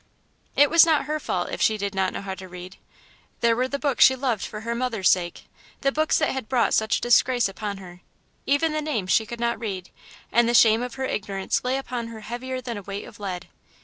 It was not her fault if she did not know how to read. There were the books she loved for her mother's sake, the books that had brought such disgrace upon her. Even the names she could not read, and the shame of her ignorance lay upon her heavier than a weight of lead.